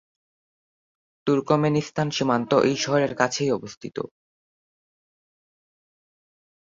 Turkmenistan সীমান্ত এই শহরের কাছেই অবস্থিত।